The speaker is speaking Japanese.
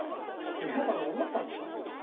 皆さんも思ったんでしょ？